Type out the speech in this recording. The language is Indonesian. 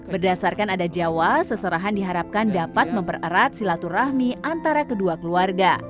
berdasarkan adat jawa seserahan diharapkan dapat mempererat silaturahmi antara kedua keluarga